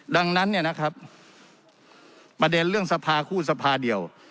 ดังนั้นเนี่ยนะครับประเด็นเรื่องสภาคู่สภาเดียว